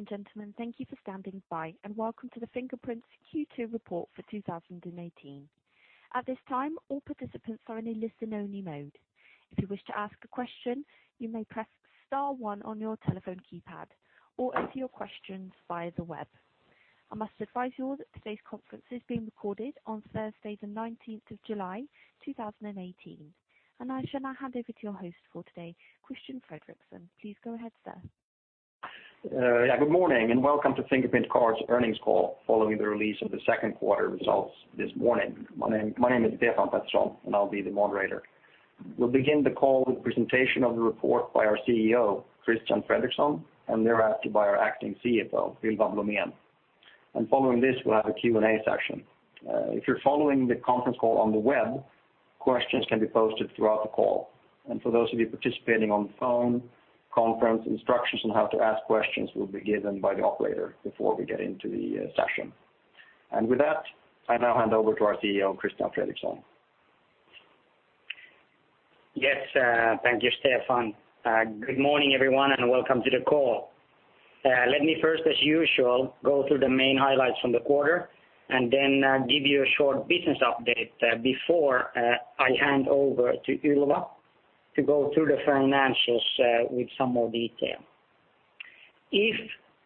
Ladies and gentlemen, thank you for standing by and welcome to the Fingerprint's Q2 report for 2018. At this time, all participants are in a listen-only mode. If you wish to ask a question, you may press star one on your telephone keypad or enter your questions via the web. I must advise you all that today's conference is being recorded on Thursday the 19th of July, 2018. I shall now hand over to your host for today, Christian Fredrikson. Please go ahead, sir. Good morning and welcome to Fingerprint Cards earnings call following the release of the second quarter results this morning. My name is Stefan Pettersson, and I'll be the moderator. We'll begin the call with presentation of the report by our CEO, Christian Fredrikson, and thereafter by our acting CFO, Ylva Blomén. Following this, we'll have a Q&A session. If you're following the conference call on the web, questions can be posted throughout the call. For those of you participating on phone conference, instructions on how to ask questions will be given by the operator before we get into the session. With that, I now hand over to our CEO, Christian Fredrikson. Yes. Thank you, Stefan. Good morning, everyone, and welcome to the call. Let me first, as usual, go through the main highlights from the quarter and then give you a short business update before I hand over to Ylva to go through the financials with some more detail. If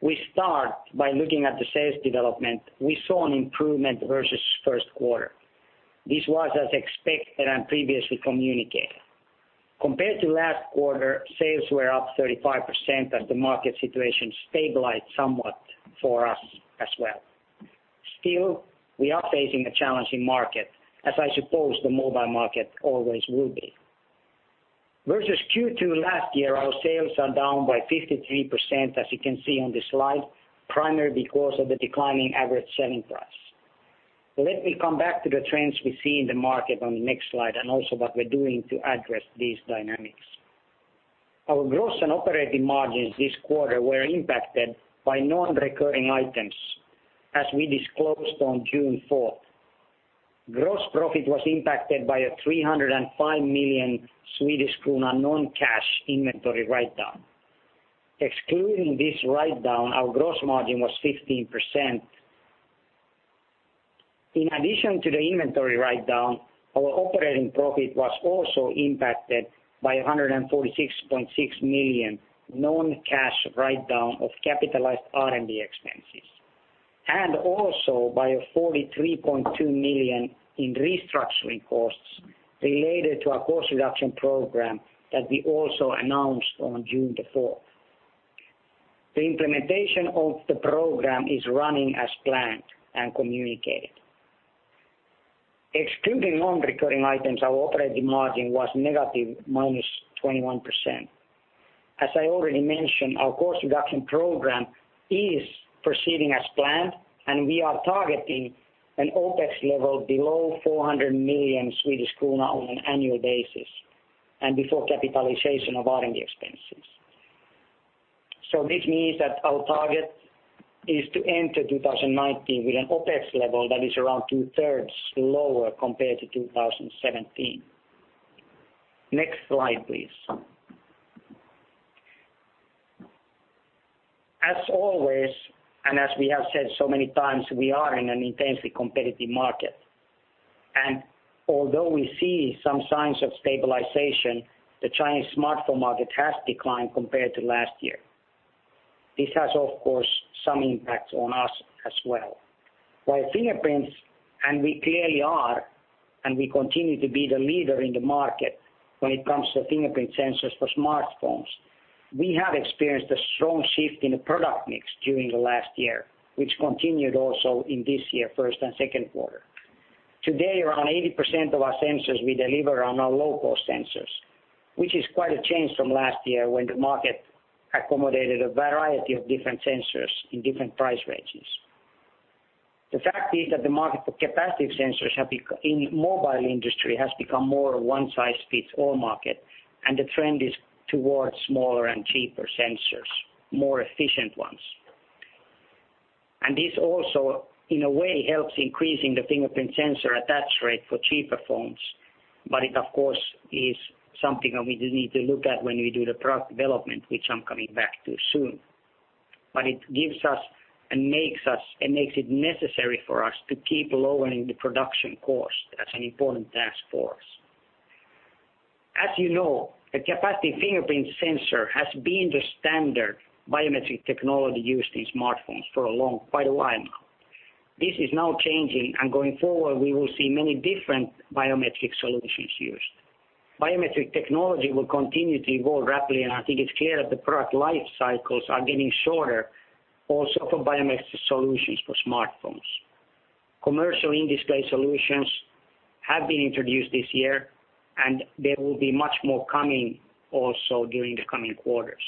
we start by looking at the sales development, we saw an improvement versus first quarter. This was as expected and previously communicated. Compared to last quarter, sales were up 35% as the market situation stabilized somewhat for us as well. Still, we are facing a challenging market, as I suppose the mobile market always will be. Versus Q2 last year, our sales are down by 53%, as you can see on this slide, primarily because of the declining average selling price. Let me come back to the trends we see in the market on the next slide and also what we're doing to address these dynamics. Our gross and operating margins this quarter were impacted by non-recurring items as we disclosed on June 4th. Gross profit was impacted by a 305 million non-cash inventory write-down. Excluding this write-down, our gross margin was 15%. In addition to the inventory write-down, our operating profit was also impacted by 146.6 million non-cash write-down of capitalized R&D expenses. Also by a 43.2 million in restructuring costs related to our cost reduction program that we also announced on June 4th. The implementation of the program is running as planned and communicated. Excluding non-recurring items, our operating margin was negative -21%. As I already mentioned, our cost reduction program is proceeding as planned. We are targeting an OPEX level below 400 million on an annual basis and before capitalization of R&D expenses. This means that our target is to enter 2019 with an OPEX level that is around two-thirds lower compared to 2017. Next slide, please. As always, as we have said so many times, we are in an intensely competitive market. Although we see some signs of stabilization, the Chinese smartphone market has declined compared to last year. This has, of course, some impact on us as well. While Fingerprint, we clearly are, and we continue to be the leader in the market when it comes to fingerprint sensors for smartphones, we have experienced a strong shift in the product mix during the last year, which continued also in this year, first and second quarter. Today, around 80% of our sensors we deliver are now low-cost sensors, which is quite a change from last year when the market accommodated a variety of different sensors in different price ranges. The fact is that the market for capacitive sensors in mobile industry has become more one-size-fits-all market. The trend is towards smaller and cheaper sensors, more efficient ones. This also, in a way, helps increasing the fingerprint sensor attach rate for cheaper phones, but it of course, is something that we need to look at when we do the product development, which I'm coming back to soon. It gives us and makes it necessary for us to keep lowering the production cost. That's an important task for us. As you know, the capacitive fingerprint sensor has been the standard biometric technology used in smartphones for quite a while now. This is now changing. Going forward, we will see many different biometric solutions used. Biometric technology will continue to evolve rapidly. I think it's clear that the product life cycles are getting shorter also for biometric solutions for smartphones. Commercial in-display solutions have been introduced this year. There will be much more coming also during the coming quarters.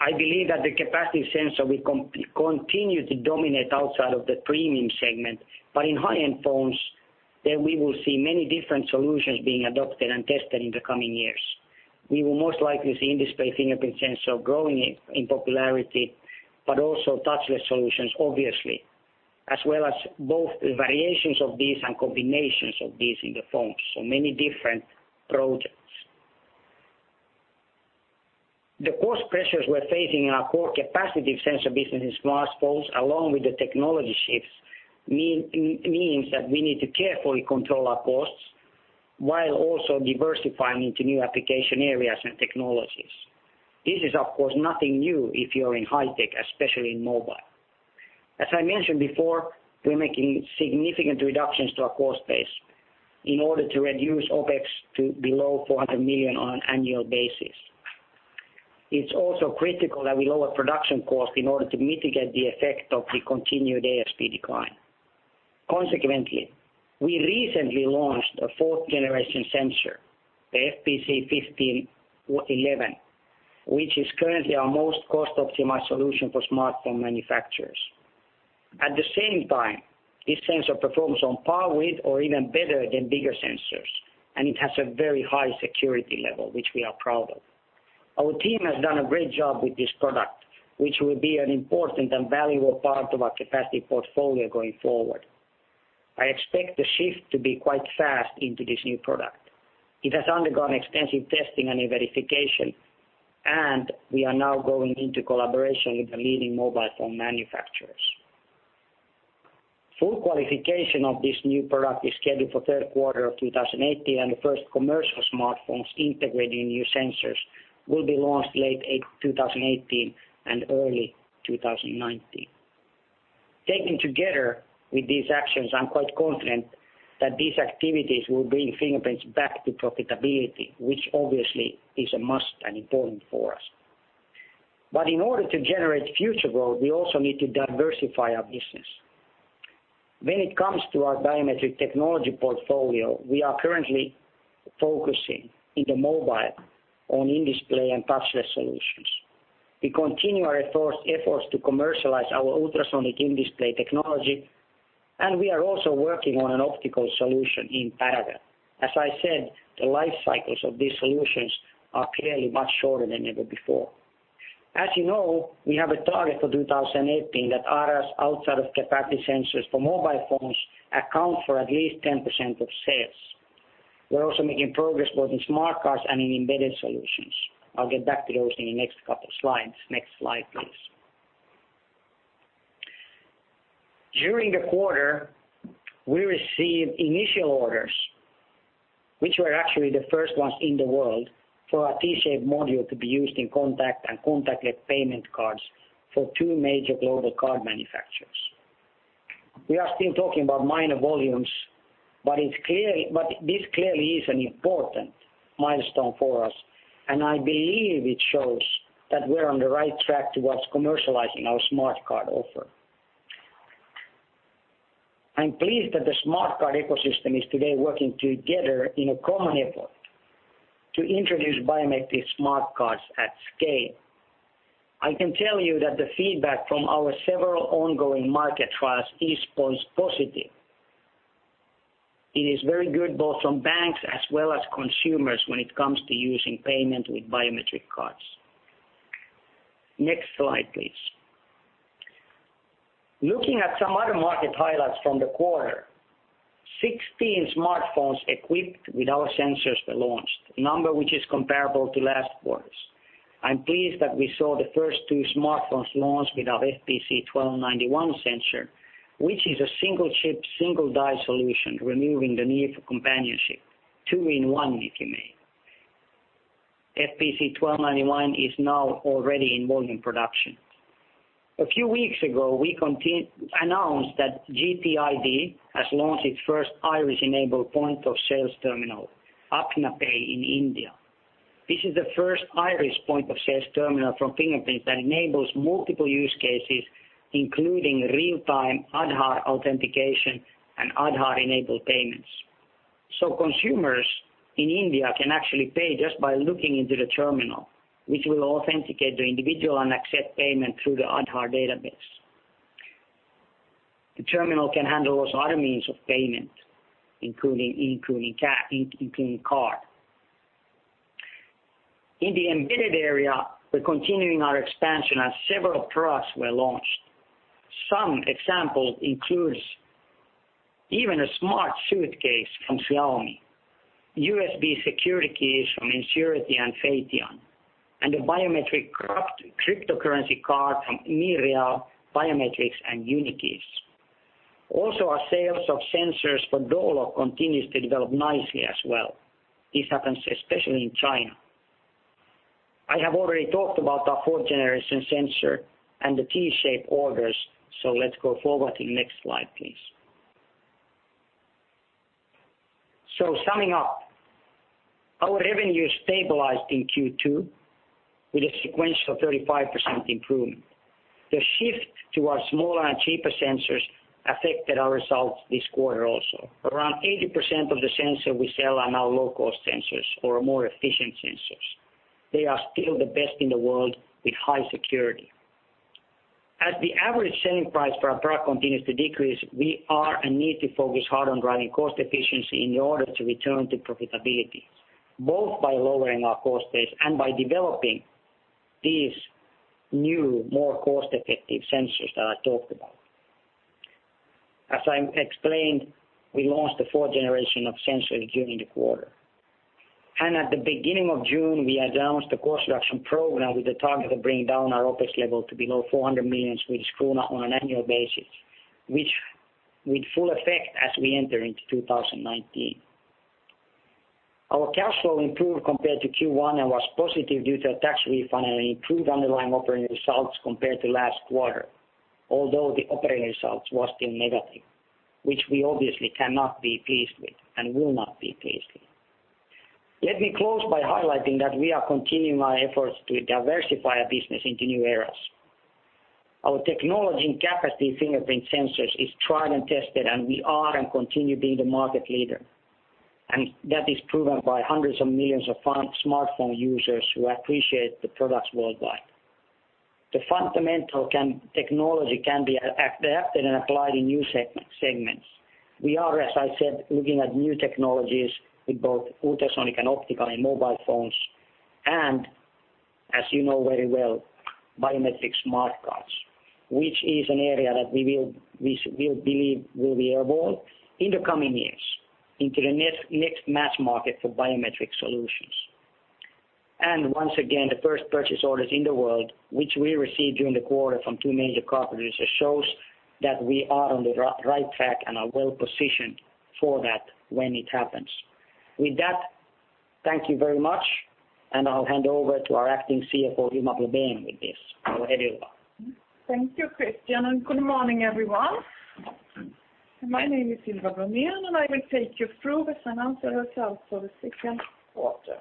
I believe that the capacitive sensor will continue to dominate outside of the premium segment. In high-end phones, we will see many different solutions being adopted and tested in the coming years. We will most likely see in-display fingerprint sensor growing in popularity, but also touchless solutions, obviously, as well as both variations of these and combinations of these in the phones. Many different projects. The cost pressures we're facing in our core capacitive sensor business in smartphones, along with the technology shifts, means that we need to carefully control our costs while also diversifying into new application areas and technologies. This is, of course, nothing new if you're in high tech, especially in mobile. As I mentioned before, we're making significant reductions to our cost base in order to reduce OPEX to below 400 million on an annual basis. It's also critical that we lower production costs in order to mitigate the effect of the continued ASP decline. Consequently, we recently launched a fourth generation sensor, the FPC1511, which is currently our most cost-optimized solution for smartphone manufacturers. At the same time, this sensor performs on par with or even better than bigger sensors, and it has a very high security level, which we are proud of. Our team has done a great job with this product, which will be an important and valuable part of our capacitive portfolio going forward. I expect the shift to be quite fast into this new product. It has undergone extensive testing and verification, and we are now going into collaboration with the leading mobile phone manufacturers. Full qualification of this new product is scheduled for the third quarter of 2018, and the first commercial smartphones integrating new sensors will be launched late 2018 and early 2019. Taken together with these actions, I'm quite confident that these activities will bring Fingerprint Cards back to profitability, which obviously is a must and important for us. In order to generate future growth, we also need to diversify our business. When it comes to our biometric technology portfolio, we are currently focusing in the mobile on in-display and touchless solutions. We continue our efforts to commercialize our ultrasonic in-display technology, and we are also working on an optical solution in parallel. As I said, the life cycles of these solutions are clearly much shorter than ever before. As you know, we have a target for 2018 that ARAS, outside of capacitive sensors for mobile phones, account for at least 10% of sales. We're also making progress both in smart cards and in embedded solutions. I'll get back to those in the next couple of slides. Next slide, please. During the quarter, we received initial orders, which were actually the first ones in the world, for our T-Shape module to be used in contact and contactless payment cards for two major global card manufacturers. We are still talking about minor volumes, but this clearly is an important milestone for us, and I believe it shows that we're on the right track towards commercializing our smart card offer. I'm pleased that the smart card ecosystem is today working together in a common effort to introduce biometric smart cards at scale. I can tell you that the feedback from our several ongoing market trials is positive. It is very good both from banks as well as consumers when it comes to using payment with biometric cards. Next slide, please. Looking at some other market highlights from the quarter, 16 smartphones equipped with our sensors were launched, a number which is comparable to last quarters. I'm pleased that we saw the first two smartphones launched with our FPC1291 sensor, which is a single chip, single die solution, removing the need for companion chip. Two in one, if you may. FPC1291 is now already in volume production. A few weeks ago, we announced that Delta ID has launched its first iris-enabled point of sales terminal, ApnaPay, in India. This is the first iris point of sales terminal from Fingerprint Cards that enables multiple use cases, including real-time Aadhaar authentication and Aadhaar-enabled payments. Consumers in India can actually pay just by looking into the terminal, which will authenticate the individual and accept payment through the Aadhaar database. The terminal can handle also other means of payment, including card. In the embedded area, we're continuing our expansion as several products were launched. Some examples include even a smart suitcase from Xiaomi, USB security keys from Ensurity and FEITIAN, and a biometric cryptocurrency card from MeReal Biometrics and Unikeys. Also, our sales of sensors for door lock continues to develop nicely as well. This happens especially in China. I have already talked about our fourth-generation sensor and the T-Shape orders, so let's go forward to the next slide, please. Summing up, our revenue stabilized in Q2 with a sequential 35% improvement. The shift to our smaller and cheaper sensors affected our results this quarter also. Around 80% of the sensors we sell are now low-cost sensors or more efficient sensors. They are still the best in the world with high security. As the average selling price for our product continues to decrease, we are and need to focus hard on driving cost efficiency in order to return to profitability, both by lowering our cost base and by developing these new, more cost-effective sensors that I talked about. As I explained, we launched the fourth-generation of sensors during the quarter. At the beginning of June, we announced a cost reduction program with the target of bringing down our OPEX level to below 400 million on an annual basis, with full effect as we enter into 2019. Our cash flow improved compared to Q1 and was positive due to a tax refund and improved underlying operating results compared to last quarter. Although the operating results were still negative, which we obviously cannot be pleased with and will not be pleased with. Let me close by highlighting that we are continuing our efforts to diversify our business into new areas. Our technology and capacitive fingerprint sensors is tried and tested, and we are and continue being the market leader, and that is proven by hundreds of millions of smartphone users who appreciate the products worldwide. The fundamental technology can be adapted and applied in new segments. We are, as I said, looking at new technologies with both ultrasonic and optical and mobile phones, and as you know very well, biometric smart cards, which is an area that we believe will be airborne in the coming years into the next mass market for biometric solutions. And once again, the first purchase orders in the world, which we received during the quarter from two major card producers, shows that we are on the right track and are well-positioned for that when it happens. With that, thank you very much, and I'll hand over to our acting CFO, Ylva Blomén, with this. Go ahead, Ylva. Thank you, Christian, and good morning, everyone. My name is Ylva Blomén, and I will take you through the financial results for the second quarter.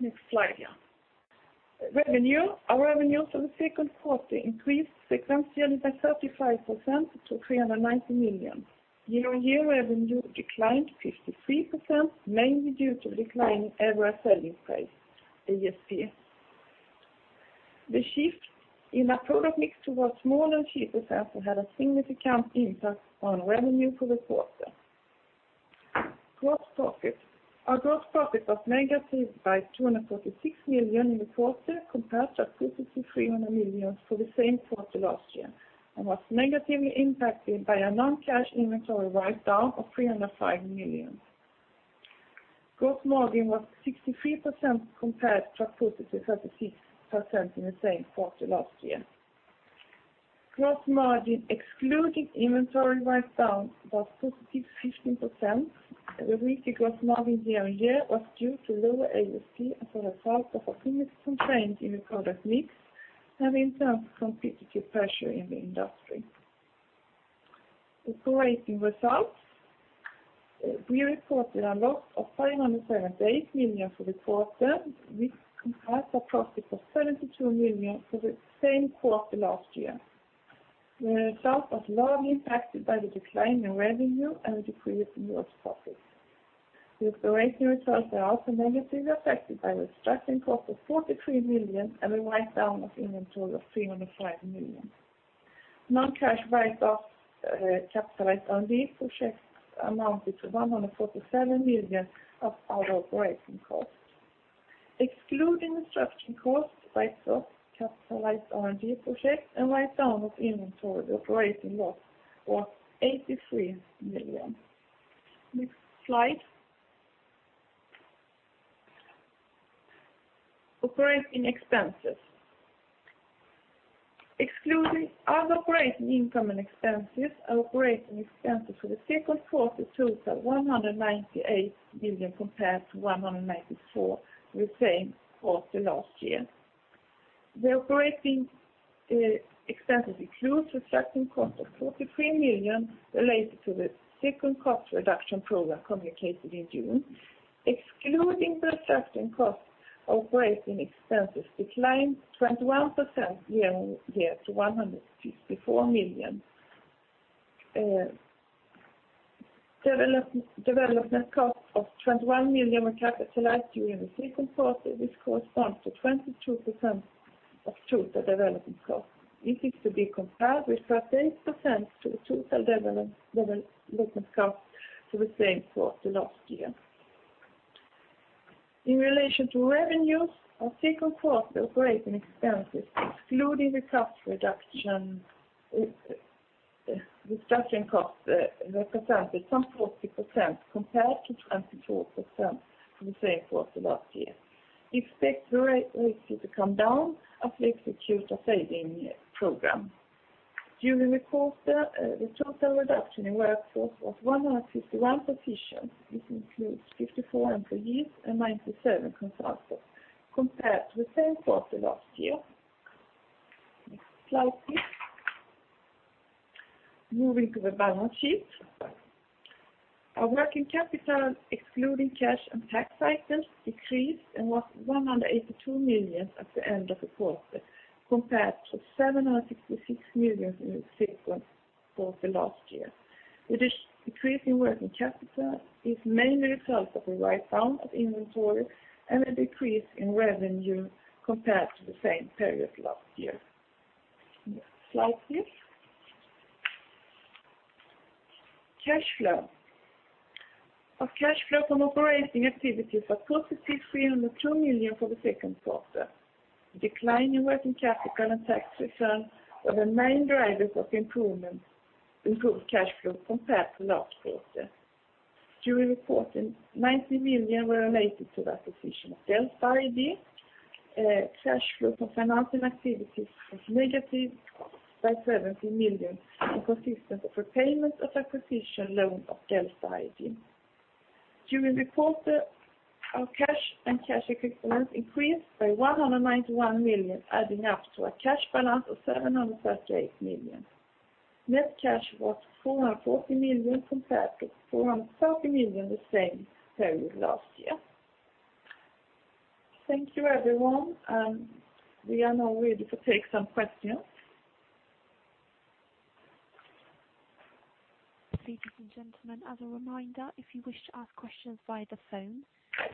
Next slide. Our revenue for the second quarter increased sequentially by 35% to 390 million. Year-over-year revenue declined 53%, mainly due to declining average selling price, ASP. The shift in our product mix towards smaller chip sets had a significant impact on revenue for the quarter. Gross profit. Our gross profit was negative by 246 million in the quarter compared to positive 300 million for the same quarter last year and was negatively impacted by a non-cash inventory write-down of 305 million. Gross margin was 63% compared to positive 36% in the same quarter last year. Gross margin excluding inventory write-down was positive 15%. The weak gross margin year-on-year was due to lower ASP as a result of a product constraint in the product mix and intense competitive pressure in the industry. Operating results. We reported a loss of 578 million for the quarter. This compares a profit of 72 million for the same quarter last year. The result was largely impacted by the decline in revenue and a decrease in gross profit. The operating results are also negatively affected by restructuring costs of 43 million and a write-down of inventory of 305 million. Non-cash write-offs capitalized R&D projects amounted to 147 million of our operating costs. Excluding restructuring costs, write-offs, capitalized R&D projects, and write-down of inventory, the operating loss was 83 million. Next slide. Operating expenses. Excluding other operating income and expenses, our operating expenses for the second quarter totaled 198 million compared to 194 million for the same quarter last year. The operating expenses include restructuring costs of 43 million related to the second cost reduction program communicated in June. Excluding the restructuring costs, operating expenses declined 21% year-on-year to SEK 154 million. Development costs of SEK 21 million were capitalized during the second quarter. This corresponds to 22% of total development costs. This is to be compared with 38% to the total development cost for the same quarter last year. In relation to revenues, our second quarter operating expenses, excluding the restructuring costs, represented some 40% compared to 24% for the same quarter last year. We expect the ratio to come down as we execute a saving program. During the quarter, the total reduction in workforce was 151 positions. This includes 54 employees and 97 consultants, compared to the same quarter last year. Next slide, please. Moving to the balance sheet. Our working capital, excluding cash and tax items, decreased and was 182 million at the end of the quarter, compared to 766 million in the second quarter last year. The decrease in working capital is mainly a result of a write-down of inventory and a decrease in revenue compared to the same period last year. Next slide, please. Cash flow. Our cash flow from operating activities was positive 302 million for the second quarter. A decline in working capital and tax return were the main drivers of improved cash flow compared to last quarter. During reporting, 90 million were related to the acquisition of Delta ID. Cash flow from financing activities was negative by 70 million, consisting of repayment of acquisition loan of Delta ID. During report, our cash and cash equivalents increased by 191 million, adding up to a cash balance of 738 million. Net cash was 440 million compared to 430 million the same period last year. Thank you, everyone. We are now ready to take some questions. Ladies and gentlemen, as a reminder, if you wish to ask questions via the phone,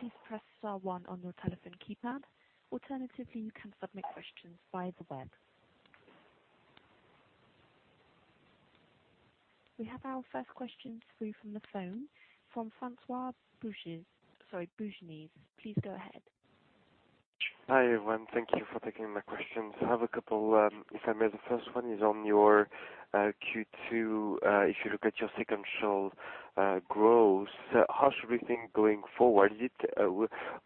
please press star one on your telephone keypad. Alternatively, you can submit questions via the web. We have our first question through from the phone from François-Xavier Bouvignies. Sorry, Bouvignies. Please go ahead. Hi, everyone. Thank you for taking my questions. I have a couple. If I may, the first one is on your Q2. If you look at your sequential growth, how should we think going forward? Is it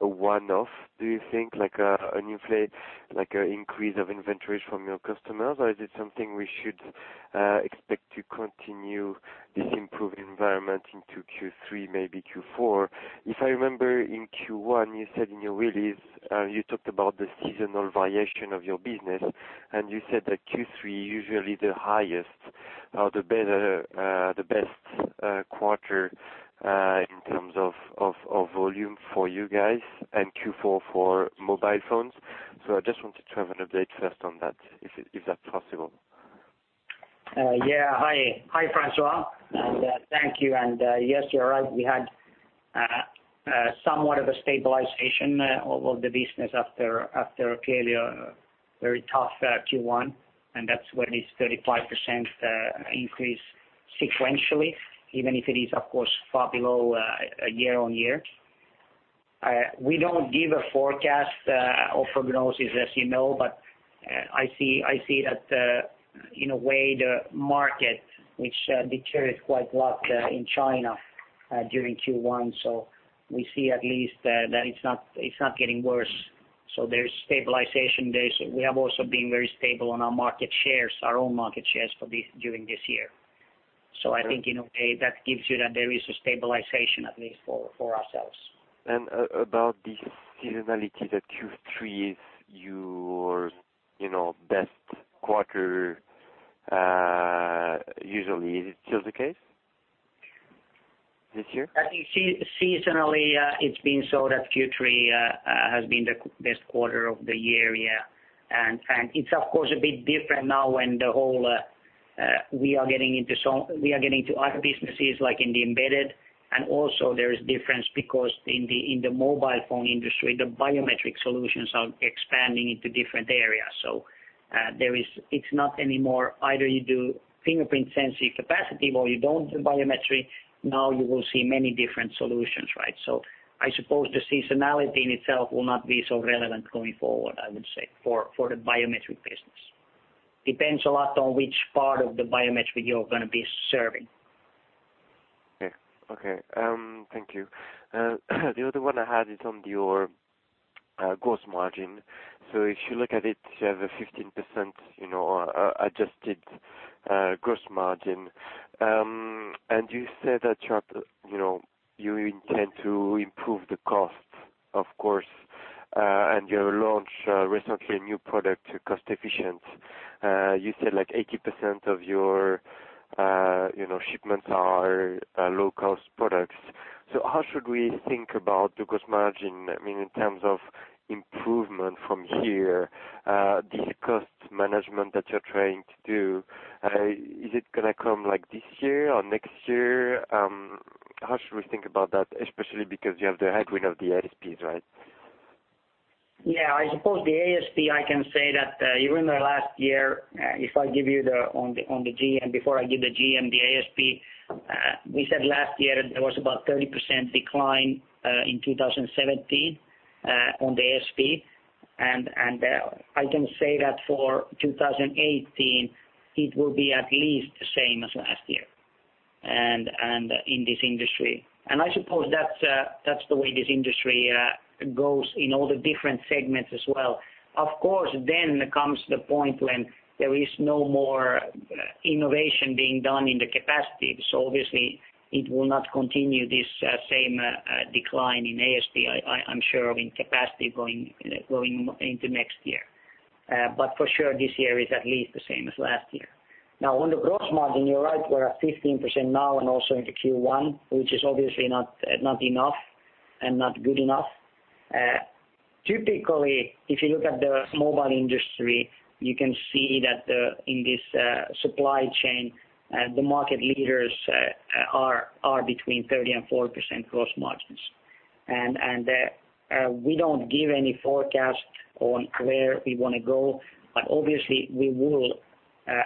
a one-off, do you think? Like an increase of inventories from your customers, or is it something we should expect to continue this improved environment into Q3, maybe Q4? If I remember, in Q1, you said in your release, you talked about the seasonal variation of your business, and you said that Q3 usually the highest or the best quarter in terms of volume for you guys and Q4 for mobile phones. I just wanted to have an update first on that, if that's possible. Hi, François, thank you. Yes, you're right, we had somewhat of a stabilization of the business after clearly a very tough Q1, and that's when it's 35% increase sequentially, even if it is, of course, far below year-on-year. We don't give a forecast or prognosis, as you know, but I see that, in a way, the market, which deteriorated quite a lot in China during Q1. We see at least that it's not getting worse. There's stabilization there. We have also been very stable on our market shares, our own market shares during this year. I think in a way that gives you that there is a stabilization, at least for ourselves. About this seasonality that Q3 is your best quarter usually, is it still the case this year? I think seasonally, it's been so that Q3 has been the best quarter of the year, yeah. It's of course a bit different now when we are getting into other businesses like in the embedded, and also there is difference because in the mobile phone industry, the biometric solutions are expanding into different areas. It's not anymore either you do fingerprint sensor capacitive or you don't do biometric. You will see many different solutions, right? I suppose the seasonality in itself will not be so relevant going forward, I would say, for the biometric business. Depends a lot on which part of the biometric you're going to be serving. Okay. Thank you. The other one I had is on your gross margin. If you look at it, you have a 15% adjusted gross margin. You said that you intend to improve the cost, of course, and you launched recently a new product, cost efficient. You said like 80% of your shipments are low-cost products. How should we think about the gross margin, in terms of improvement from here, this cost management that you're trying to do, is it going to come this year or next year? How should we think about that, especially because you have the headwind of the ASPs, right? Yeah, I suppose the ASP, I can say that even the last year, if I give you on the GM, before I give the GM, the ASP, we said last year there was about 30% decline, in 2017, on the ASP. I can say that for 2018, it will be at least the same as last year, and in this industry. I suppose that's the way this industry goes in all the different segments as well. Of course, then comes the point when there is no more innovation being done in the capacitive. Obviously it will not continue this same decline in ASP, I'm sure, in capacitive going into next year. For sure, this year is at least the same as last year. On the gross margin, you're right, we're at 15% now and also into Q1, which is obviously not enough and not good enough. Typically, if you look at the mobile industry, you can see that in this supply chain, the market leaders are between 30% and 4% gross margins. We don't give any forecast on where we want to go, but obviously we will,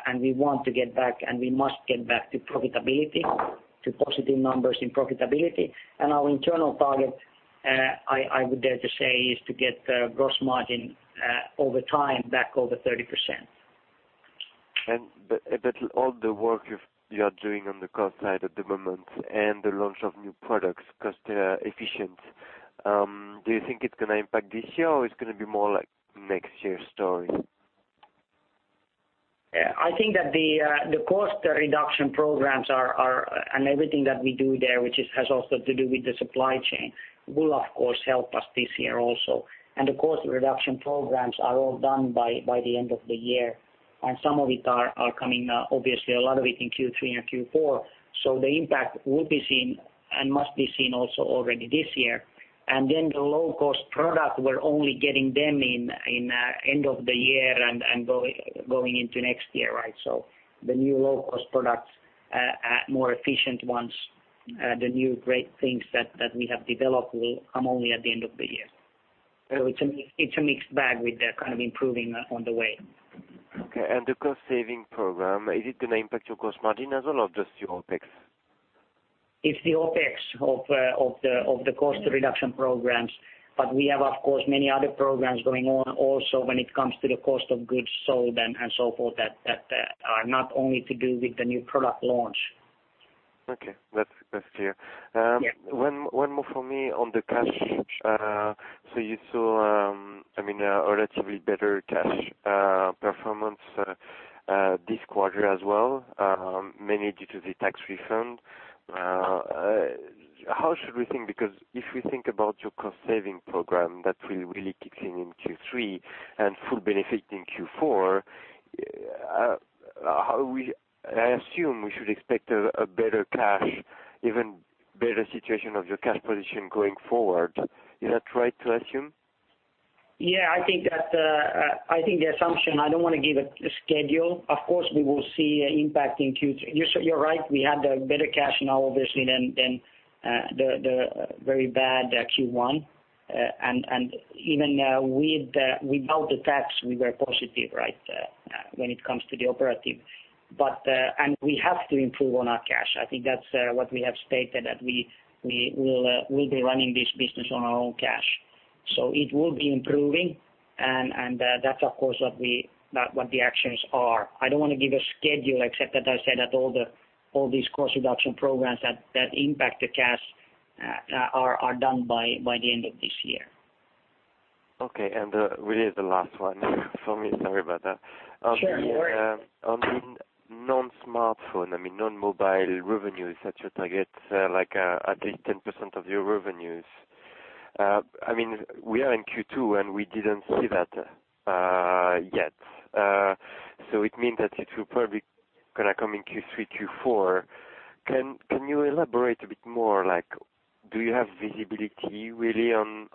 and we want to get back, and we must get back to profitability, to positive numbers in profitability. Our internal target, I would dare to say, is to get the gross margin over time back over 30%. That all the work you're doing on the cost side at the moment and the launch of new products, cost-efficient, do you think it's going to impact this year or it's going to be more like next year story? Yeah. I think that the cost reduction programs and everything that we do there, which has also to do with the supply chain, will of course help us this year also. The cost reduction programs are all done by the end of the year. Some of it are coming, obviously a lot of it in Q3 and Q4. The impact will be seen and must be seen also already this year. The low-cost product, we're only getting them in end of the year and going into next year, right? The new low-cost products, more efficient ones, the new great things that we have developed will come only at the end of the year. It's a mixed bag with the kind of improving on the way. Okay. The cost-saving program, is it going to impact your gross margin as well or just your OPEX? It's the OPEX of the cost reduction programs, but we have, of course, many other programs going on also when it comes to the cost of goods sold and so forth that are not only to do with the new product launch. Okay. That's clear. Yeah. One more for me on the cash. You saw, I mean, a relatively better cash performance this quarter as well, mainly due to the tax refund. How should we think? Because if we think about your cost saving program that will really kicks in in Q3 and full benefit in Q4, I assume we should expect a better cash, even better situation of your cash position going forward. Is that right to assume? I think the assumption, I don't want to give a schedule. Of course, we will see impact in Q3. You're right, we had a better cash now, obviously than the very bad Q1. Even without the tax, we were positive when it comes to the operating. We have to improve on our cash. I think that's what we have stated that we'll be running this business on our own cash. It will be improving and that's of course what the actions are. I don't want to give a schedule except that I said that all these cost reduction programs that impact the cash are done by the end of this year. Okay. Really the last one for me, sorry about that. Sure. On non-smartphone, I mean, non-mobile revenue set your target at least 10% of your revenues. We are in Q2, we didn't see that yet. It means that it will probably going to come in Q3, Q4. Can you elaborate a bit more, do you have visibility really on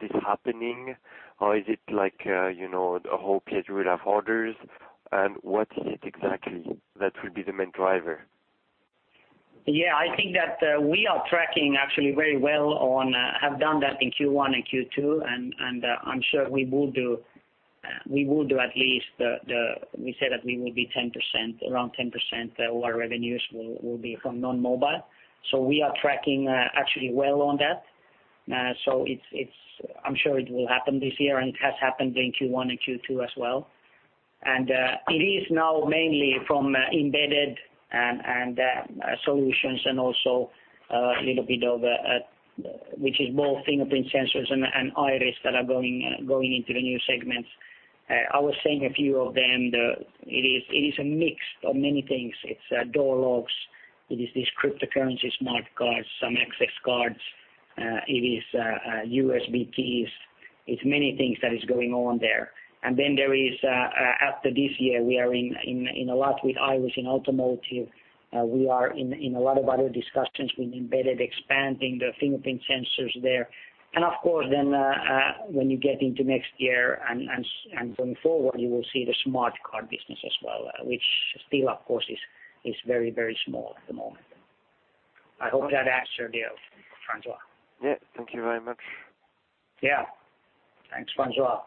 this happening or is it a hope we'll have orders? What is it exactly that will be the main driver? Yeah, I think that we are tracking actually very well, have done that in Q1 and Q2, and I'm sure we will do at least, we say that we will be 10%, around 10% of our revenues will be from non-mobile. We are tracking actually well on that. I'm sure it will happen this year, and it has happened in Q1 and Q2 as well. It is now mainly from embedded and solutions, and also a little bit of which is both fingerprint sensors and iris that are going into the new segments. I was saying a few of them, it is a mix of many things. It's door locks, it is this cryptocurrency smart cards, some access cards, it is USB keys. It's many things that is going on there. Then there is after this year, we are in a lot with iris in automotive. We are in a lot of other discussions with embedded, expanding the fingerprint sensors there. Of course then when you get into next year and going forward, you will see the smart card business as well, which still of course is very small at the moment. I hope that answers your view, François. Yeah. Thank you very much. Yeah. Thanks, François.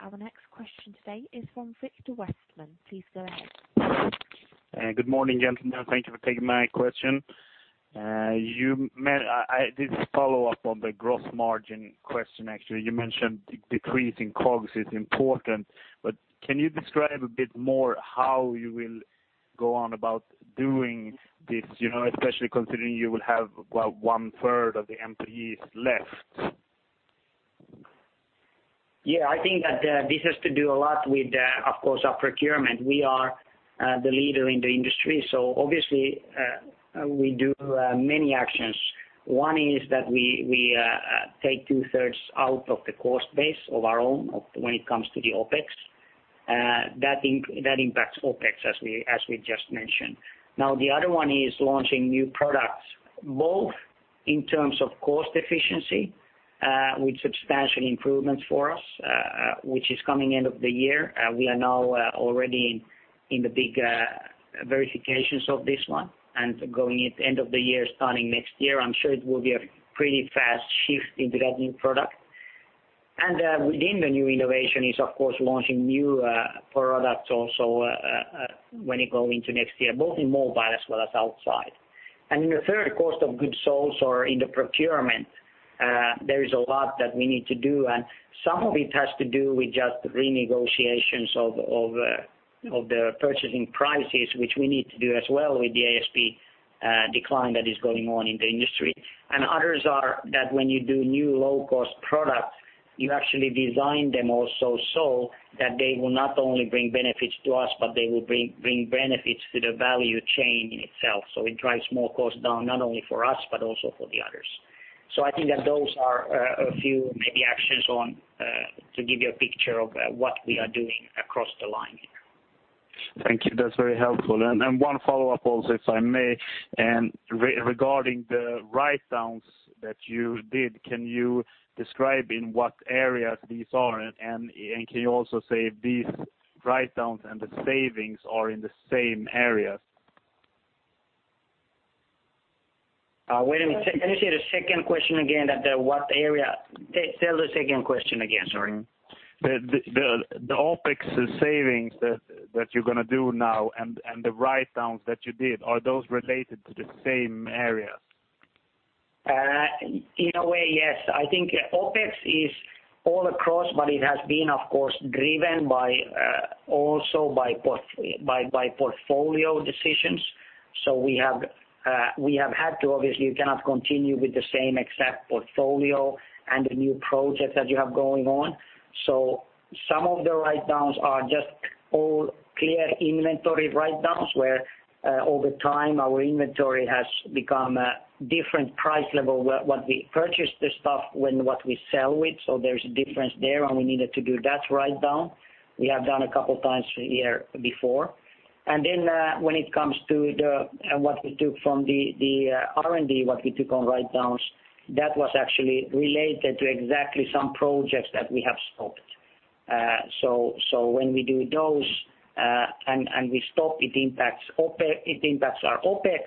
Our next question today is from Victor Westman. Please go ahead. Good morning, gentlemen. Thank you for taking my question. This is a follow-up on the gross margin question actually. You mentioned decreasing COGS is important, but can you describe a bit more how you will go on about doing this, especially considering you will have one third of the employees left? I think that this has to do a lot with, of course, our procurement. We are the leader in the industry, so obviously we do many actions. One is that we take two thirds out of the cost base of our own of when it comes to the OPEX. That impacts OPEX as we just mentioned. Now, the other one is launching new products, both in terms of cost efficiency with substantial improvements for us, which is coming end of the year. We are now already in the big verifications of this one and going into end of the year, starting next year. I'm sure it will be a pretty fast shift into that new product. Within the new innovation is, of course, launching new products also when you go into next year, both in mobile as well as outside. In the third cost of goods sold or in the procurement, there is a lot that we need to do, and some of it has to do with just renegotiations of the purchasing prices, which we need to do as well with the ASP decline that is going on in the industry. Others are that when you do new low-cost products, you actually design them also so that they will not only bring benefits to us, but they will bring benefits to the value chain in itself. It drives more cost down, not only for us but also for the others. I think that those are a few maybe actions to give you a picture of what we are doing across the line here. Thank you. That's very helpful. One follow-up also, if I may, regarding the writedowns that you did, can you describe in what areas these are? Can you also say if these writedowns and the savings are in the same areas? Wait a minute. Can you say the second question again, that what area? Say the second question again, sorry. The OpEx savings that you're going to do now and the writedowns that you did, are those related to the same areas? In a way, yes. I think OpEx is all across, it has been, of course, driven also by portfolio decisions. We have had to, obviously, you cannot continue with the same exact portfolio and the new projects that you have going on. Some of the writedowns are just all clear inventory writedowns, where over time, our inventory has become a different price level, what we purchase the stuff when what we sell with. There's a difference there, and we needed to do that writedown. We have done a couple of times a year before. When it comes to what we took from the R&D, what we took on writedowns, that was actually related to exactly some projects that we have stopped. When we do those and we stop, it impacts our OpEx,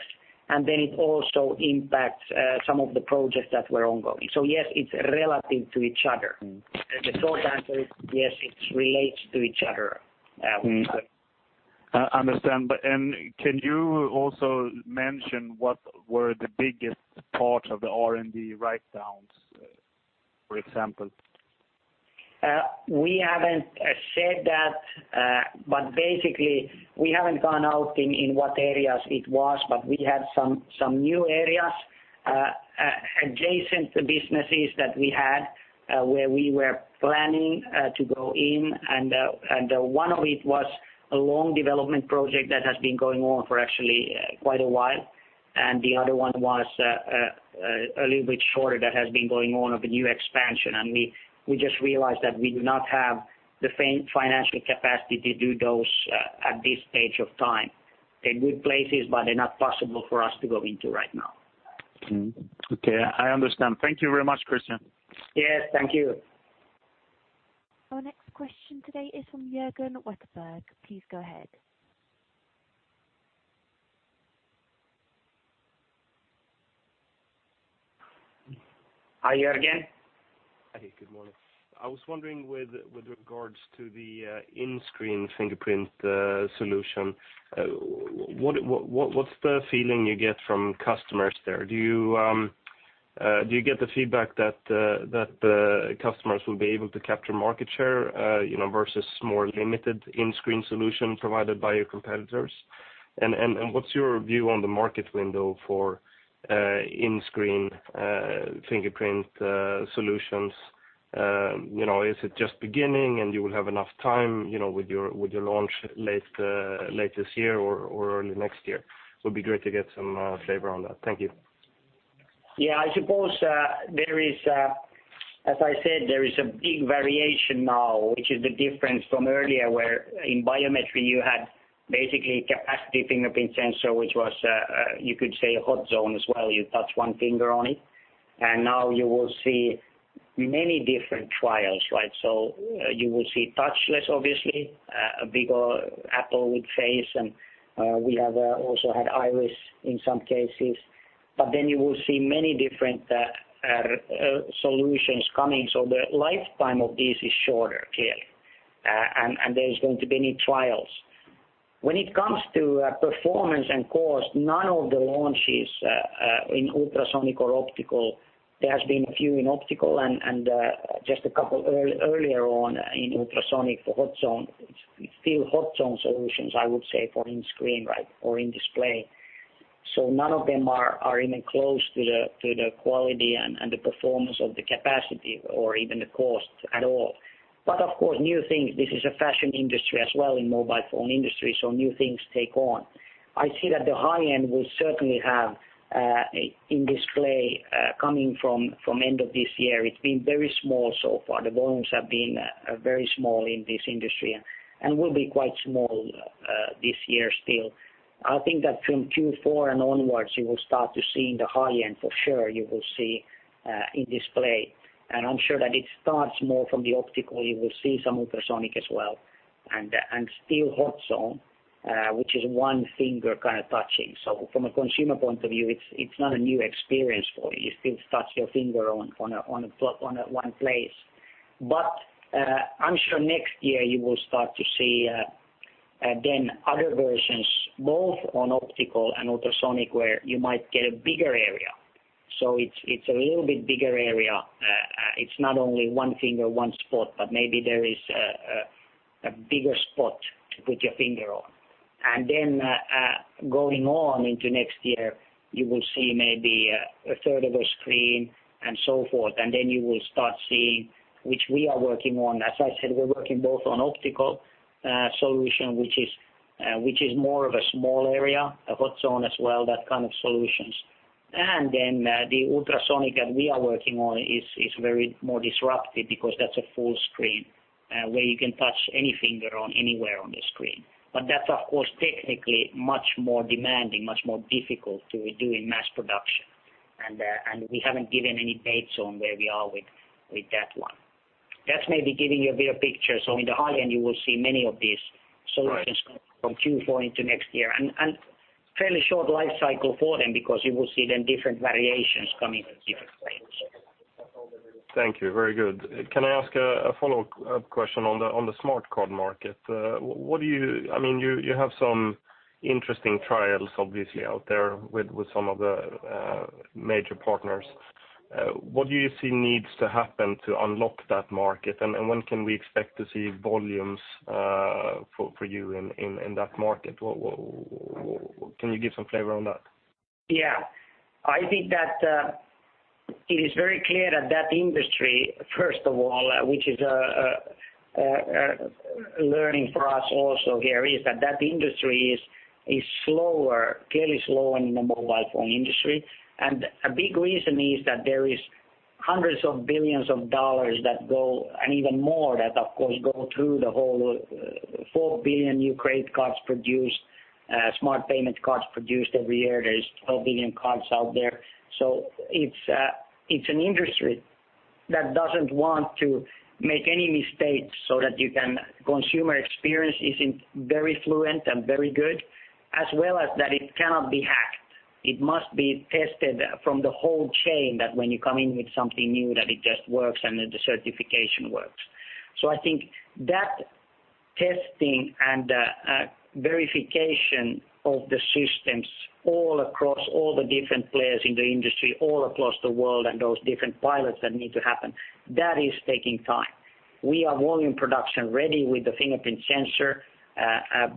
it also impacts some of the projects that were ongoing. Yes, it's relative to each other. The short answer is yes, it relates to each other. I understand. Can you also mention what were the biggest part of the R&D writedowns, for example? We haven't said that, basically we haven't gone out in what areas it was, we had some new areas, adjacent businesses that we had where we were planning to go in, one of it was a long development project that has been going on for actually quite a while. The other one was a little bit shorter that has been going on of a new expansion. We just realized that we do not have the financial capacity to do those at this stage of time. They're good places, but they're not possible for us to go into right now. Okay. I understand. Thank you very much, Christian. Yes. Thank you. Our next question today is from Jörgen Wetterberg. Please go ahead. Hi, Jörgen. Hi, good morning. I was wondering with regards to the in-screen fingerprint solution, what's the feeling you get from customers there? Do you get the feedback that the customers will be able to capture market share versus more limited in-screen solution provided by your competitors? What's your view on the market window for in-screen fingerprint solutions? Is it just beginning and you will have enough time with your launch late this year or early next year? Would be great to get some flavor on that. Thank you. I suppose as I said, there is a big variation now, which is the difference from earlier where in biometric you had basically capacitive fingerprint sensor, which was, you could say a hot zone as well. You touch one finger on it. Now you will see many different trials. You will see touchless, obviously, bigger Apple with Face, and we have also had iris in some cases. Then you will see many different solutions coming. The lifetime of this is shorter, clearly. There's going to be many trials. When it comes to performance and cost, none of the launches in ultrasonic or optical, there has been a few in optical and just a couple earlier on in ultrasonic for hot zone. It's still hot zone solutions, I would say, for in-screen or in-display. None of them are even close to the quality and the performance of the capacity or even the cost at all. Of course, new things, this is a fashion industry as well in mobile phone industry, new things take on. I see that the high end will certainly have in display coming from end of this year. It's been very small so far. The volumes have been very small in this industry and will be quite small this year still. I think that from Q4 and onwards, you will start to see in the high-end for sure, you will see in display, and I'm sure that it starts more from the optical. You will see some ultrasonic as well, and still hot zone, which is one finger kind of touching. From a consumer point of view, it's not a new experience for you. You still touch your finger on one place. I'm sure next year you will start to see again other versions, both on optical and ultrasonic, where you might get a bigger area. It's a little bit bigger area. It's not only one finger, one spot, but maybe there is a bigger spot to put your finger on. Going on into next year, you will see maybe a third of a screen and so forth. You will start seeing, which we are working on. As I said, we're working both on optical solution, which is more of a small area, a hot zone as well, that kind of solutions. The ultrasonic that we are working on is very more disruptive because that's a full screen, where you can touch any finger on anywhere on the screen. That's of course, technically much more demanding, much more difficult to do in mass production. We haven't given any dates on where we are with that one. That's maybe giving you a better picture. In the high-end you will see many of these solutions from Q4 into next year, and fairly short life cycle for them because you will see then different variations coming at different times. Thank you. Very good. Can I ask a follow-up question on the smart card market? You have some interesting trials obviously out there with some of the major partners. What do you see needs to happen to unlock that market, and when can we expect to see volumes for you in that market? Can you give some flavor on that? Yeah. I think that it is very clear that that industry, first of all, which is a learning for us also, Jörgen, is that that industry is clearly slower in the mobile phone industry. A big reason is that there is hundreds of billions of dollars that go, and even more that of course go through the whole 4 billion new credit cards produced, smart payment cards produced every year. There's 12 billion cards out there. It's an industry that doesn't want to make any mistakes so that consumer experience isn't very fluent and very good, as well as that it cannot be hacked. It must be tested from the whole chain that when you come in with something new, that it just works and that the certification works. I think that testing and verification of the systems across all the different players in the industry, all across the world, and those different pilots that need to happen, that is taking time. We are volume production ready with the fingerprint sensor,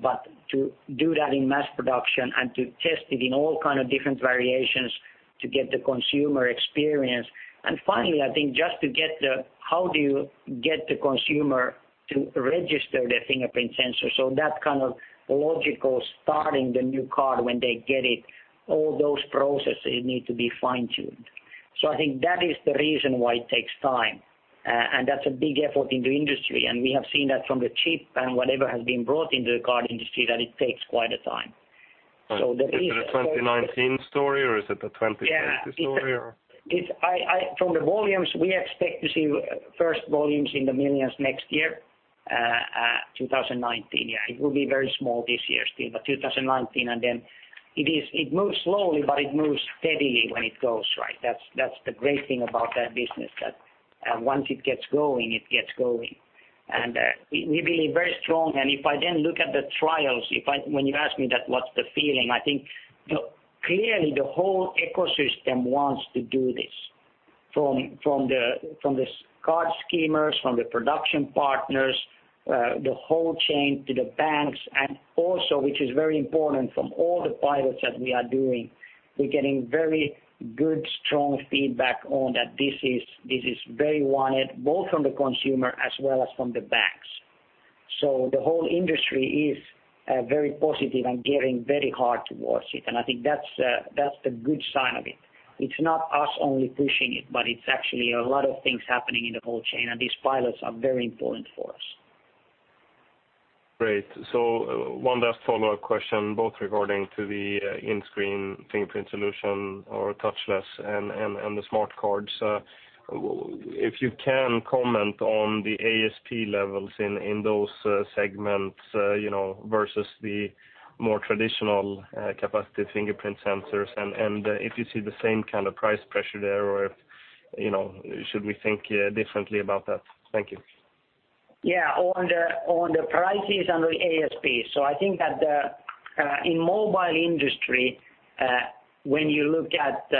but to do that in mass production and to test it in all kind of different variations to get the consumer experience. Finally, I think just how do you get the consumer to register their fingerprint sensor, that logical starting the new card when they get it, all those processes need to be fine-tuned. I think that is the reason why it takes time, and that's a big effort in the industry, and we have seen that from the chip and whatever has been brought into the card industry, that it takes quite a time. Is it a 2019 story or is it a 2020 story or? From the volumes, we expect to see first volumes in the millions next year, 2019. It will be very small this year still, but 2019. It moves slowly, but it moves steadily when it goes right. That's the great thing about that business, that once it gets going, it gets going. We believe very strong. If I look at the trials, when you ask me that, what's the feeling? I think clearly the whole ecosystem wants to do this, from the card schemes, from the production partners, the whole chain to the banks, and also, which is very important from all the pilots that we are doing, we're getting very good, strong feedback on that this is very wanted, both from the consumer as well as from the banks. The whole industry is very positive and getting very hard towards it, I think that's the good sign of it. It's not us only pushing it's actually a lot of things happening in the whole chain, and these pilots are very important for us. Great. One last follow-up question, both regarding the in-screen fingerprint solution or touchless and the smart cards. If you can comment on the ASP levels in those segments versus the more traditional capacitive fingerprint sensors, if you see the same kind of price pressure there, or should we think differently about that? Thank you. Yeah. On the prices and the ASP. I think that in mobile industry, when you look at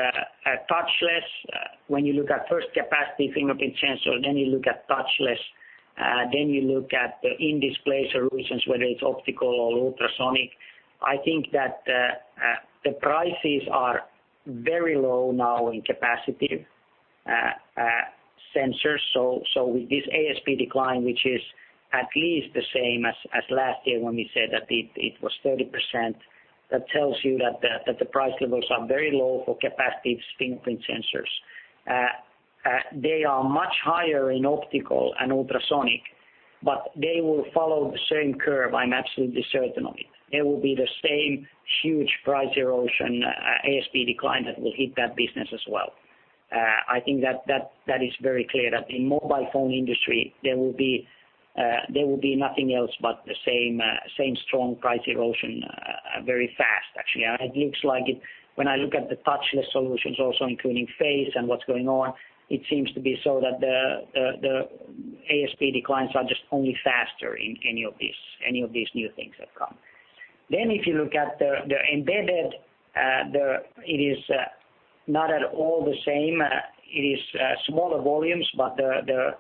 first capacitive fingerprint sensor, you look at touchless, you look at the in-display solutions, whether it's optical or ultrasonic. I think that the prices are very low now in capacitive sensors. With this ASP decline, which is at least the same as last year when we said that it was 30%, that tells you that the price levels are very low for capacitive fingerprint sensors. They are much higher in optical and ultrasonic. They will follow the same curve, I'm absolutely certain of it. There will be the same huge price erosion, ASP decline that will hit that business as well. I think that is very clear that in mobile phone industry, there will be nothing else but the same strong price erosion, very fast, actually. It looks like it, when I look at the touchless solutions also including face and what's going on, it seems to be so that the ASP declines are just only faster in any of these new things that come. If you look at the embedded, it is not at all the same. It is smaller volumes, but the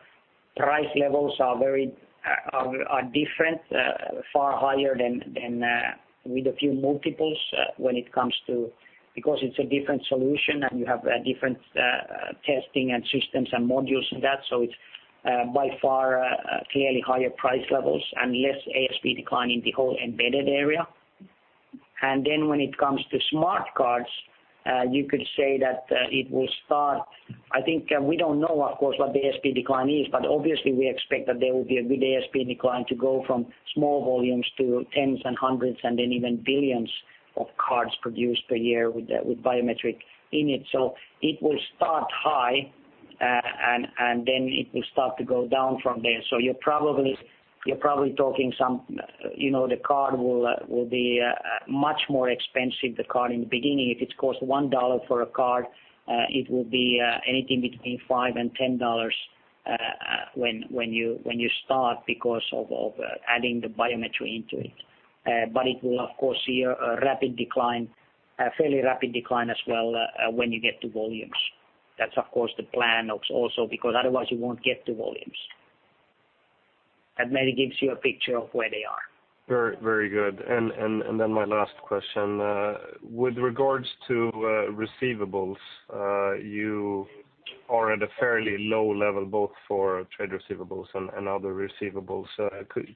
price levels are different, far higher than with a few multiples when it comes to, because it's a different solution, and you have different testing and systems and modules and that, so it's by far a clearly higher price levels and less ASP decline in the whole embedded area. When it comes to smart cards, you could say that it will start, I think we don't know, of course, what the ASP decline is, but obviously we expect that there will be a good ASP decline to go from small volumes to tens and hundreds, and even billions of cards produced per year with biometric in it. It will start high, it will start to go down from there. You're probably talking some, the card will be much more expensive, the card in the beginning. If it costs SEK one for a card, it will be anything between SEK five and SEK 10 when you start because of adding the biometry into it. It will, of course, see a fairly rapid decline as well when you get to volumes. That's, of course, the plan also, because otherwise you won't get to volumes. That maybe gives you a picture of where they are. Very good. Then my last question, with regards to receivables, you are at a fairly low level, both for trade receivables and other receivables.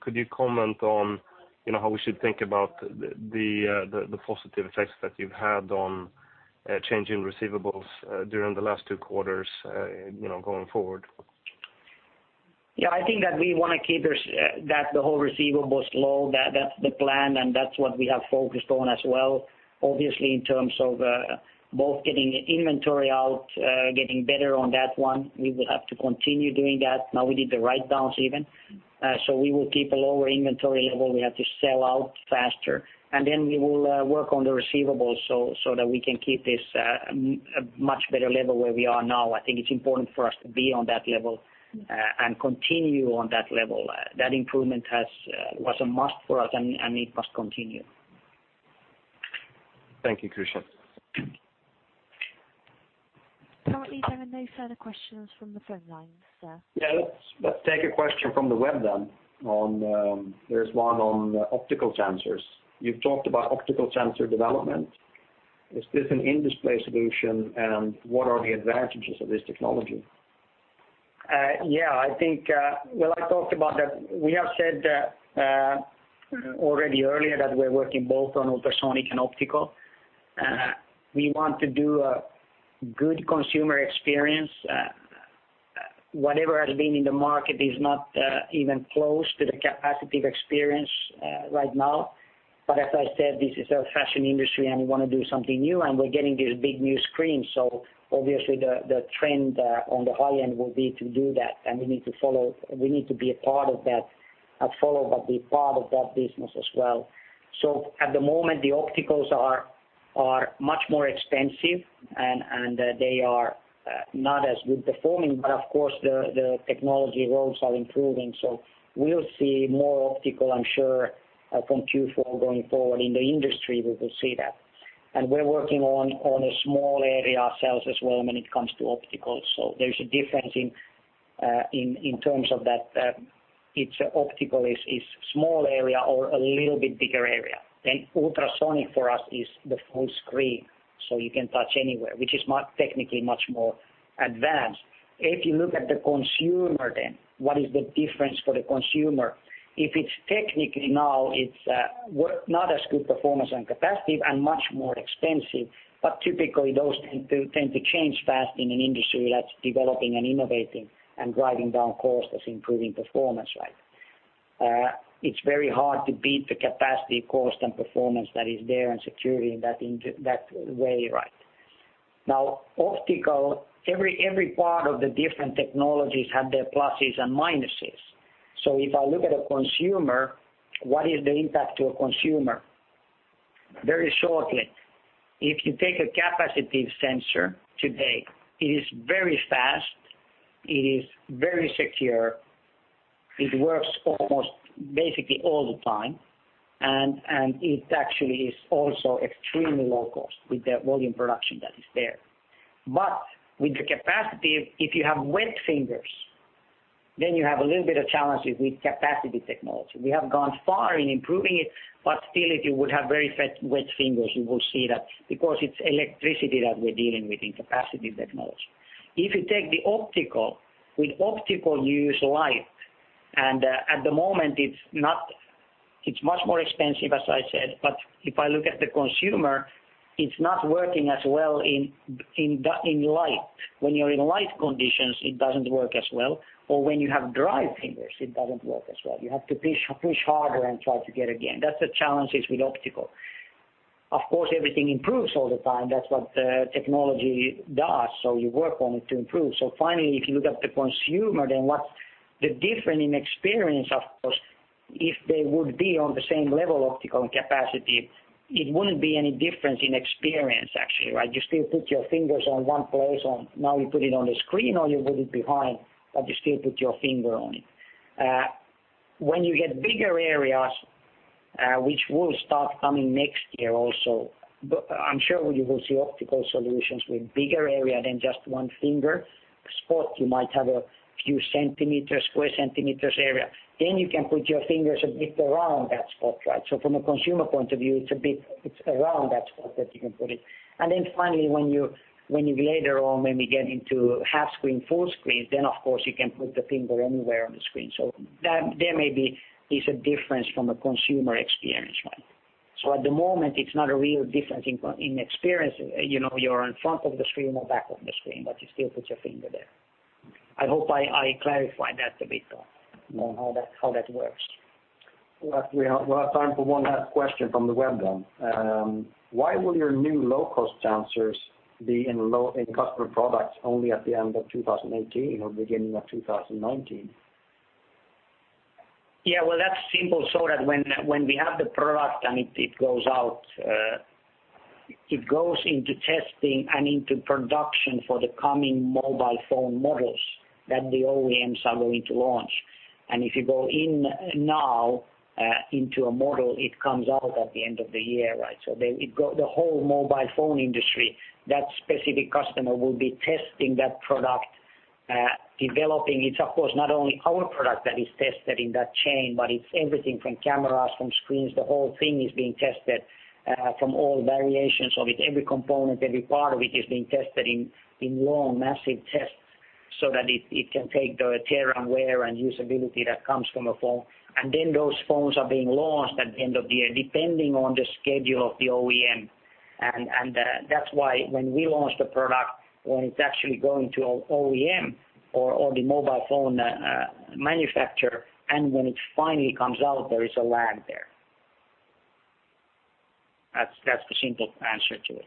Could you comment on how we should think about the positive effects that you've had on changing receivables during the last 2 quarters, going forward? I think that we want to keep the whole receivables low. That's the plan, and that's what we have focused on as well. Obviously, in terms of both getting inventory out, getting better on that one, we will have to continue doing that. Now we did the write downs even. We will keep a lower inventory level. We have to sell out faster. Then we will work on the receivables so that we can keep this a much better level where we are now. I think it's important for us to be on that level, and continue on that level. That improvement was a must for us, and it must continue. Thank you, Christian. Currently, there are no further questions from the phone lines, sir. Let's take a question from the web then. There's one on optical sensors. You've talked about optical sensor development. Is this an in-display solution, and what are the advantages of this technology? I think, well, I talked about that. We have said already earlier that we're working both on ultrasonic and optical. We want to do a good consumer experience. Whatever has been in the market is not even close to the capacitive experience right now. As I said, this is a fashion industry, and we want to do something new, and we're getting these big new screens. Obviously the trend on the high end will be to do that, and we need to be a part of that, not follow, but be part of that business as well. At the moment, the opticals are much more expensive, and they are not as good performing. Of course the technology roads are improving. We'll see more optical, I'm sure, from Q4 going forward in the industry, we will see that. We're working on a small area ourselves as well when it comes to optical. There's a difference in terms of that, it's optical is small area or a little bit bigger area. Ultrasonic for us is the full screen, so you can touch anywhere, which is technically much more advanced. If you look at the consumer then, what is the difference for the consumer? If it's technically now, it's not as good performance and capacitive and much more expensive. Typically those tend to change fast in an industry that's developing and innovating and driving down cost as improving performance. It's very hard to beat the capacitive cost, and performance that is there and security in that way. Now, optical, every part of the different technologies have their pluses and minuses. If I look at a consumer, what is the impact to a consumer? Very shortly, if you take a capacitive sensor today, it is very fast, it is very secure, it works almost basically all the time, and it actually is also extremely low cost with the volume production that is there. With the capacitive, if you have wet fingers, then you have a little bit of challenges with capacitive technology. We have gone far in improving it. Still if you would have very wet fingers, you will see that because it's electricity that we're dealing with in capacitive technology. If you take the optical, with optical you use light. At the moment, it's much more expensive, as I said, but if I look at the consumer, it's not working as well in light. When you're in light conditions, it doesn't work as well, or when you have dry fingers, it doesn't work as well. You have to push harder and try to get again. That's the challenges with optical. Of course, everything improves all the time. That's what technology does. You work on it to improve. Finally, if you look at the consumer, then what's the difference in experience, of course, if they would be on the same level optical capacity, it wouldn't be any difference in experience, actually, right? You still put your fingers on one place. You put it on the screen or you put it behind, but you still put your finger on it. When you get bigger areas, which will start coming next year also, I'm sure you will see optical solutions with bigger area than just one finger. A spot, you might have a few square centimeters area. You can put your fingers a bit around that spot, right? From a consumer point of view, it's around that spot that you can put it. Finally, when you later on maybe get into half screen, full screen, then of course you can put the finger anywhere on the screen. There may be is a difference from a consumer experience point. At the moment, it's not a real difference in experience. You're in front of the screen or back of the screen, but you still put your finger there. I hope I clarified that a bit, though, on how that works. We have time for one last question from the web then. Why will your new low-cost sensors be in customer products only at the end of 2018 or beginning of 2019? Well, that's simple, that when we have the product and it goes into testing and into production for the coming mobile phone models that the OEMs are going to launch. If you go in now into a model, it comes out at the end of the year, right? The whole mobile phone industry, that specific customer will be testing that product, developing. It's of course not only our product that is tested in that chain, but it's everything from cameras, from screens. The whole thing is being tested from all variations of it. Every component, every part of it is being tested in long, massive tests so that it can take the tear and wear and usability that comes from a phone. Then those phones are being launched at the end of the year, depending on the schedule of the OEM. That's why when we launch the product, when it's actually going to OEM or the mobile phone manufacturer, and when it finally comes out, there is a lag there. That's the simple answer to it.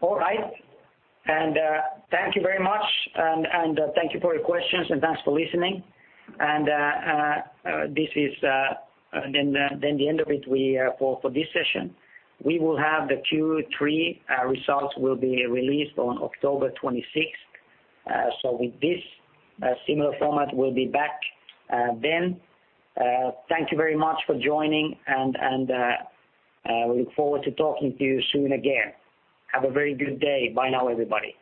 All right. Thank you very much, and thank you for your questions, and thanks for listening. This is then the end of it for this session. We will have the Q3 results will be released on October 26th. With this similar format, we'll be back then. Thank you very much for joining, and we look forward to talking to you soon again. Have a very good day. Bye now, everybody.